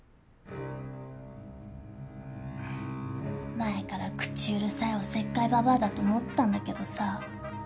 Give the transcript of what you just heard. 前から口うるさいおせっかいババアだと思ってたんだけどさ。